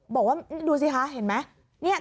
บอกว่าดูสิคะเห็นไหม